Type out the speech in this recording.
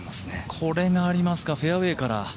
これがありますかフェアウエーから。